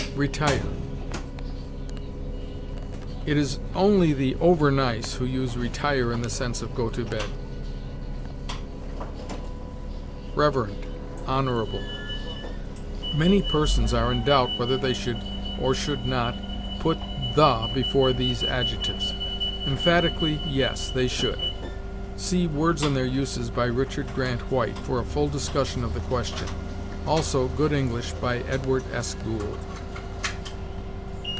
RETIRE. It is only the over nice who use retire in the sense of go to bed. REVEREND HONORABLE. Many persons are in doubt whether they should or should not put the before these adjectives. Emphatically, yes, they should. See "Words and Their Uses," by Richard Grant White, for a full discussion of the question; also "Good English," by Edward S. Gould.